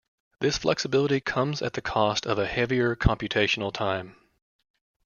This flexibility comes at the cost of a heavier computational time.